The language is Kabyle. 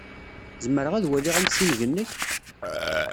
Zemreɣ ad waliɣ amsineg-nnek?